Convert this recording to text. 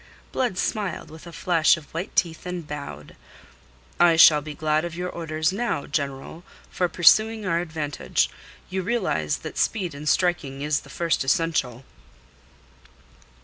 Blood smiled with a flash of white teeth, and bowed. "I shall be glad of your orders now, General, for pursuing our advantage. You realize that speed in striking is the first essential."